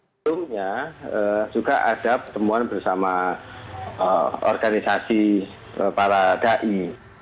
sebelumnya juga ada pertemuan bersama organisasi para dai